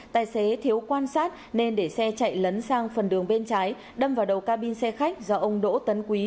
tài xế thiếu quan sát nên để xe chạy lấn sang phần đường bên trái đâm vào đầu cabin xe khách do ông đỗ tấn quý